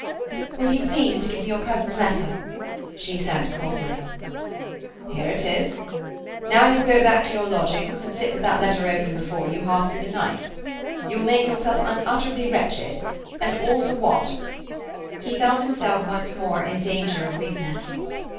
"Will you please to give me your cousin's letter?" she said coldly. "Here it is. Now you will go back to your lodgings, and sit with that letter open before you half through the night. You will make yourself unutterably wretched, and all for what?" He felt himself once more in danger of weakness.